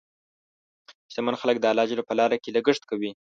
شتمن خلک د الله په لاره کې لګښت کوي.